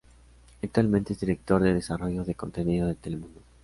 Actualmente es director de desarrollo de contenido de Telemundo.